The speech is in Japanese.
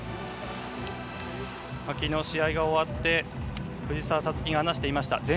昨日、試合が終わって藤澤五月が話していました。